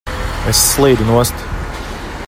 Es slīdu nost!